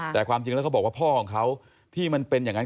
แต่ความจริงแล้วเขาบอกว่าพ่อของเขาที่มันเป็นอย่างนั้น